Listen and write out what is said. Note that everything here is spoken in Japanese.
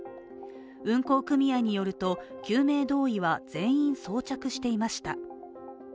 運航組合によると救命胴衣は全員装着していました。